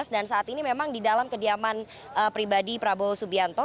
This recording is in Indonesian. dan saat ini memang di dalam kediaman pribadi prabowo subianto